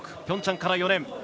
ピョンチャンから４年。